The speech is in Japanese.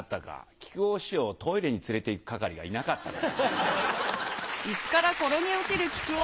木久扇師匠をトイレに連れていく係がいなかったから。